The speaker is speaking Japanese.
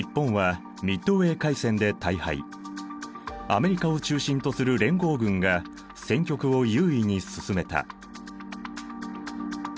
アメリカを中心とする連合軍が戦局を優位に進めた。